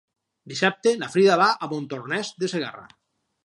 Dissabte na Frida va a Montornès de Segarra.